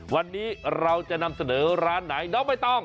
วันนี้เราจะนำเสนอร้านไหนน้องใบตอง